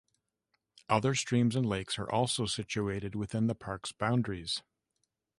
Other streams and lakes are also situated within the parks boundaries.